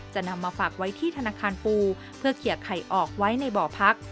จะนำมาฝากไว้ที่ธนาคารปูเพื่อเคลียร์ไข่ออกไว้ในบ่อพัก